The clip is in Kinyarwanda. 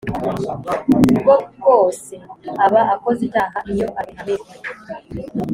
Bwo bwose aba akoze icyaha iyo abihamijwe